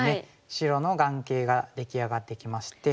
白の眼形が出来上がってきまして。